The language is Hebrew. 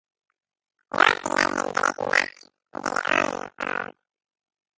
לא רק בגלל הבדלי דת ולאום או גזע